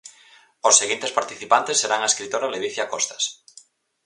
Os seguintes participantes serán a escritora Ledicia Costas.